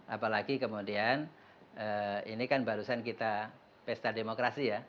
apalagi kemudian ini kan barusan kita pesta demokrasi ya